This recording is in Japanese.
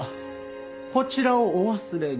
こちらをお忘れに。